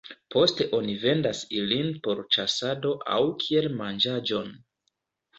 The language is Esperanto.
Poste oni vendas ilin por ĉasado aŭ kiel manĝaĵon.